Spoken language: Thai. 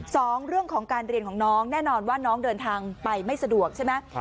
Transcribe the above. สองเรื่องของการเรียนของน้องแน่นอนว่าน้องเดินทางไปไม่สะดวกใช่ไหม